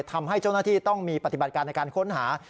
ทำให้เจ้าหน้าที่ต้องมีปฏิบัติการในการค้นหา